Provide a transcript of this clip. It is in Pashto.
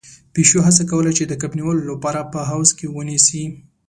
پيشو هڅه کوله چې د کب نيولو لپاره په حوض کې ونيسي.